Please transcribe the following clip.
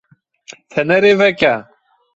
Fenerê veke.